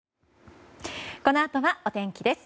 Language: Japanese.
このあとはお天気です。